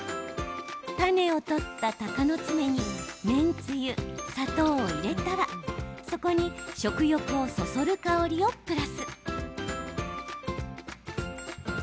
種を取った、たかのつめに麺つゆ、砂糖を入れたらそこに食欲をそそる香りをプラス。